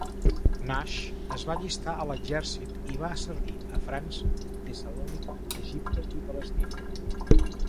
Nash es va allistar a l'exèrcit i va servir a França, Tessalònica, Egipte i Palestina.